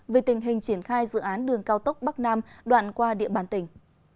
về tình hình triển khai dự án đường cao tốc bắc nam đoạn qua địa bàn tỉnh